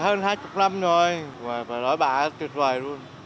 khách hơn hai mươi năm rồi bà nói bà tuyệt vời luôn